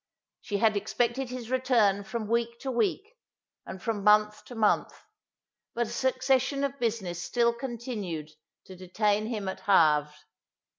She had expected his return from week to week, and from month to month, but a succession of business still continued to detain him at Havre.